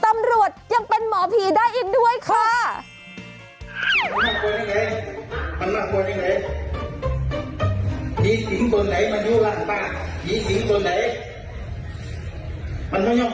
มันไม่ยอมห่วงกว่าเดี๋ยวมันยอมห่วงกว่าเฮ้ยมึงออกจากนั้นเลยมันจะมึงเจอดีนี่มันจะมึง